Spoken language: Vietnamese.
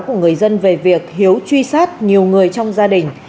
của người dân về việc hiếu truy sát nhiều người trong gia đình